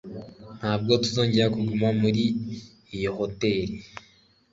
Ntabwo tuzongera kuguma muri iyo hoteri